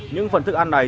những phần thức ăn này